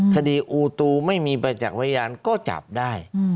คดีอูตูไม่มีไปจากไว้ยานก็จับได้